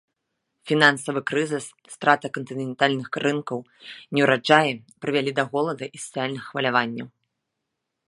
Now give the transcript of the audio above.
Фінансавы крызіс, страта кантынентальных рынкаў, неўраджаі прывялі да голаду і сацыяльных хваляванняў.